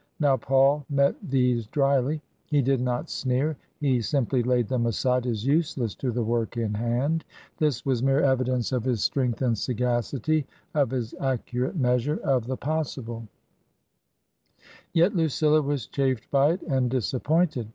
Now, Paul met these dryly. He did not sneer ; he simply laid them aside as useless to the work in hand. This was mere evidence of his strength and sagacity, of his accurate measure of the 156 TRANSITION. possible ; yet Lucilla was chafed by it and disappointed.